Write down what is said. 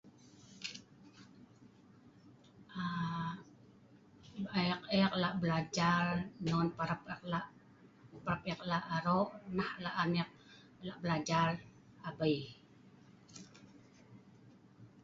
Ek lak belajar non parab nok an ek aro, nah ek lak belajar tabei